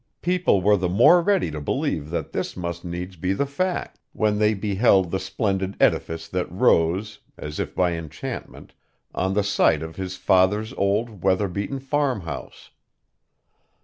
People were the more ready to believe that this must needs be the fact, when they beheld the splendid edifice that rose, as if by enchantment, on the site of his father's old weather beaten farmhouse.